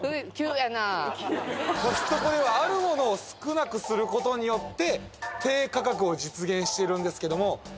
コストコではあるものを少なくすることによって低価格を実現してるんですけどもそれは何でしょう？